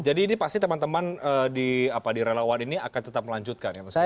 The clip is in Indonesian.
jadi ini pasti teman teman di relawan ini akan tetap melanjutkan